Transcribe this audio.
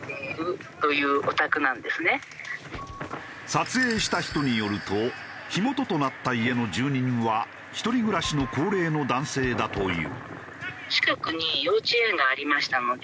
撮影した人によると火元となった家の住人は一人暮らしの高齢の男性だという。